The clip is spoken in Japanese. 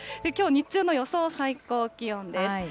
きょう日中の予想最高気温です。